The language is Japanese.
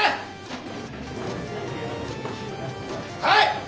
はい！